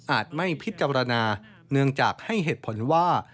ไม่พิจารณาเนื่องจากให้เหตุผลว่า